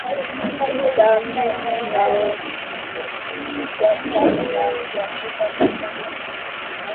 i saa mbili na nusu kwa saa za afrika mashariki